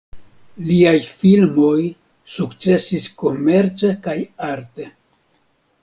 Liaj filmoj sukcesis komerce kaj arte.